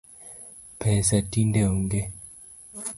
Pesa tinde onge